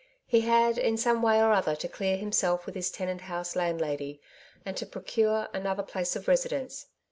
He had, in some way or other, to clear himself with his Clement House landlady, and to procure another place of residence.